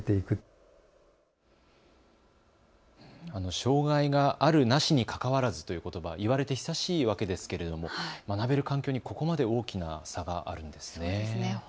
障害があるなしにかかわらずということばを言われて久しいわけですけれども、学べる環境にここまで大きな差があるんですね。